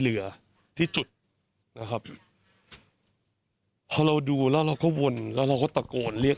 เรือที่จุดนะครับพอเราดูแล้วเราก็วนแล้วเราก็ตะโกนเรียก